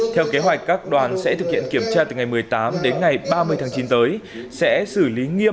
theo kế hoạch các đoàn sẽ thực hiện kiểm tra từ ngày một mươi tám đến ngày ba mươi tháng chín tới sẽ xử lý nghiêm